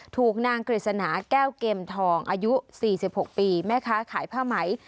ถูกนางกฤษณาแก้วเกมทองอายุ๔๖ปีแม่ค้าขายผ้าไหม